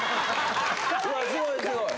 すごいすごい。